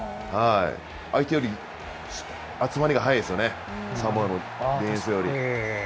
相手より集まりが早いですよね、サモアの前衛より。